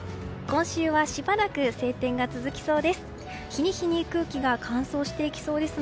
今週はしばらく晴天が続きそうです。